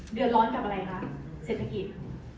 เดือดร้อนกับอะไรคะเศรษฐกิจ